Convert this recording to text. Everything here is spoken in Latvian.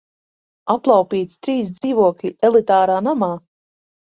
Aplaupīti trīs dzīvokļi elitārā namā!